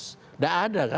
tidak ada kan